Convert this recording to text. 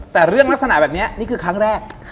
แต่เรื่องลักษณะแบบนี้นี่คือครั้งแรก